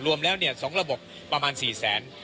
รวมแล้ว๒ระบบประมาณ๔แสน